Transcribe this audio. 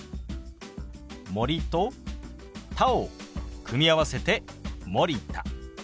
「森」と「田」を組み合わせて「森田」。